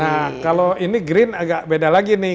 nah kalau ini green agak beda lagi nih